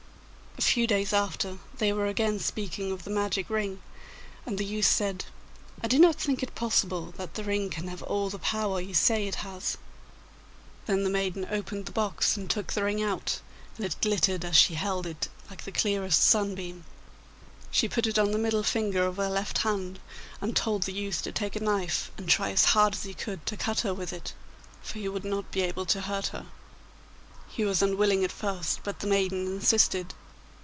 A few days after they were again speaking of the magic ring, and the youth said, 'I do not think it possible that the ring can have all the power you say it has.' Then the maiden opened the box and took the ring out, and it glittered as she held it like the clearest sunbeam. She put it on the middle finger of her left hand, and told the youth to take a knife and try as hard as he could to cut her with it, for he would not be able to hurt her. He was unwilling at first, but the maiden insisted.